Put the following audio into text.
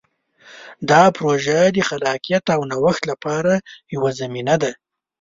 دا پروژه د خلاقیت او نوښت لپاره یوه زمینه ده.